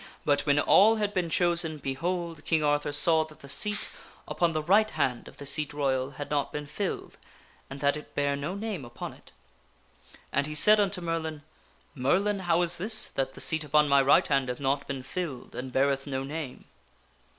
But when all had been chosen, behold ! King Arthur saw that the seat upon the right hand of the Seat Royal had not been filled, and that it bare no name upon it. And he said unto Merlin :" Merlin, how is this, that the seat upon my right hand hath not been filled, and beareth no name?"